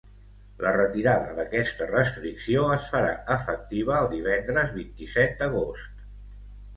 La retirada d’aquesta restricció es farà efectiva el divendres vint-i-set d’agost.